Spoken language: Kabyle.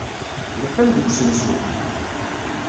Yeqqim deg usensu.